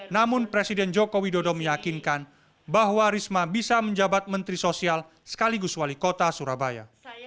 namun presiden joko widodo meyakinkan bahwa risma bisa menjabat menteri sosial sekaligus wali kota surabaya